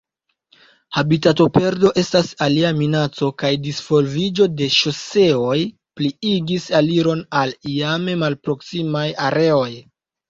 Habitatoperdo estas alia minaco, kaj disvolviĝo de ŝoseoj pliigis aliron al iame malproksimaj areoj.